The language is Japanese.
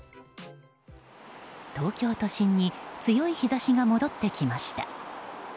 東京都心に強い日差しが戻ってきました。